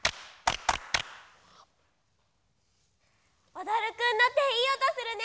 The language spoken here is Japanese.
おどるくんのていいおとするね！